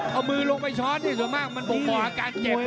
เอามือลงไปช้อนนี่ส่วนมากมันบ่งบอกอาการเจ็บ